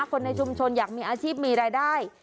คนในชุมชนอยากมีอาชีพมีรายได้